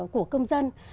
của công dân